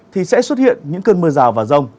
thì sẽ xuất hiện những cơn mưa rào và rông